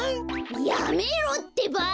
やめろってば！